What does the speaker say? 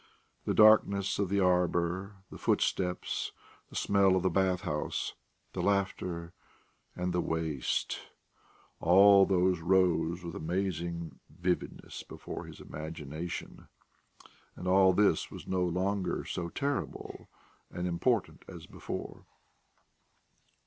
The darkness of the arbour, the footsteps, the smell of the bath house, the laughter, and the waist all these rose with amazing vividness before his imagination, and all this was no longer so terrible and important as before.